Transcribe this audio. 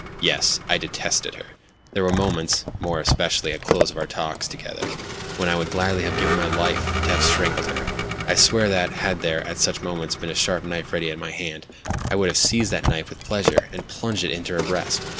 Yes, I detested her; there were moments (more especially at the close of our talks together) when I would gladly have given half my life to have strangled her! I swear that, had there, at such moments, been a sharp knife ready to my hand, I would have seized that knife with pleasure, and plunged it into her breast.